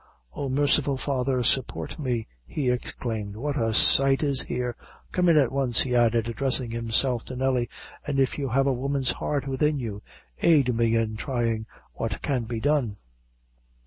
"Oh, merciful father, support me!" he exclaimed, "what a sight is here! Come in at once," he added, addressing himself to Nelly; "and if you have a woman's heart within you, aid me in trying what can be done."